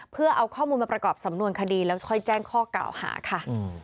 เพื่อเอาข้อมูลมาประกอบสำนวนคดีแล้วค่อยแจ้งข้อกล่าวหาค่ะ